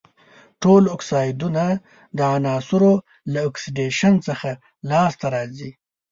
ټول اکسایدونه د عناصرو له اکسیدیشن څخه لاس ته راځي.